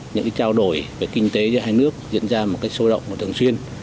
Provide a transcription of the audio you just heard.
những trao đổi về kinh tế giữa hai nước diễn ra một cách sôi động và thường xuyên